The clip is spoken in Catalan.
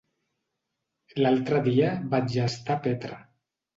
L'altre dia vaig estar a Petra.